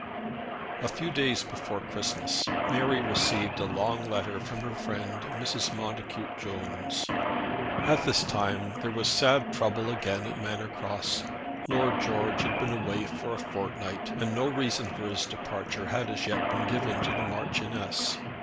A few days before Christmas Mary received a long letter from her friend Mrs. Montacute Jones. At this time there was sad trouble again at Manor Cross. Lord George had been away for a fortnight, and no reason for his departure had as yet been given to the Marchioness.